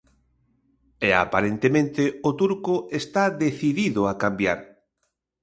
E aparentemente o turco está decidido a cambiar.